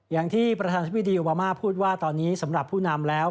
อย่างที่ประธานธิบดีโอบามาพูดว่าตอนนี้สำหรับผู้นำแล้ว